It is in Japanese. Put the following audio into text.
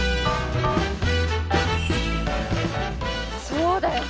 そうだよ！